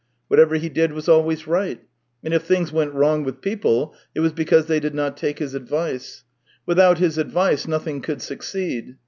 Whatever he did was always 224 THE TALES OF TCHEHOV right, and if things went wrong with people it was because they did not take his advice; without his advice nothing could succeed.